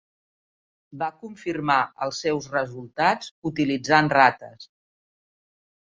Va confirmar els seus resultats utilitzant rates.